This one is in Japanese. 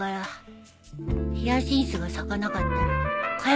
ヒヤシンスが咲かなかったらかよ